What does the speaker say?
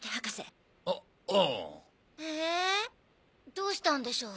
どうしたんでしょう？